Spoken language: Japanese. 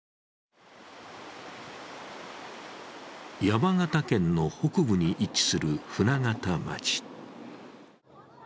山形県の北部に位置する舟形町。